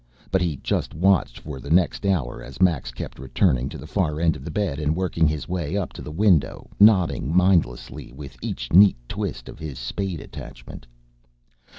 But he just watched for the next hour as Max kept returning to the far end of the bed and working his way up to the window, nodding mindlessly with each neat twist of his spade attachment.